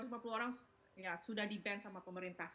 lebih dari dua ratus lima puluh orang sudah di ban sama pemerintah